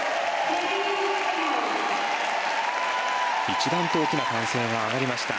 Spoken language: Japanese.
一段と大きな歓声が上がりました。